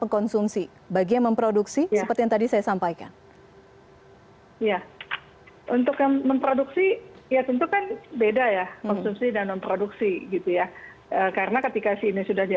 kepentingan kami kami sudah